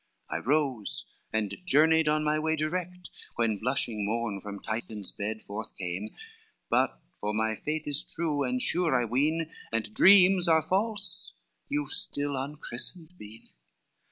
I rose and journeyed on my way direct When blushing morn from Tithon's bed forth came, But for my faith is true and sure I ween, And dreams are false, you still unchristened been.